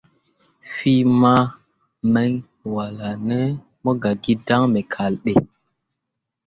Fîi mamǝŋgwãalaŋne mo gah gi dan me kal ɓe.